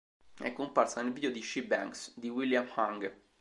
È comparsa nel video di "She bangs" di William Hung.